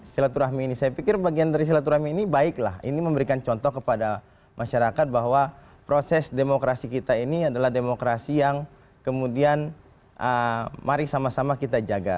silaturahmi ini saya pikir bagian dari silaturahmi ini baiklah ini memberikan contoh kepada masyarakat bahwa proses demokrasi kita ini adalah demokrasi yang kemudian mari sama sama kita jaga